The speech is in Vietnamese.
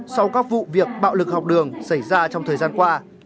sau các vụ việc bạo lực học đường xảy ra trong thời gian qua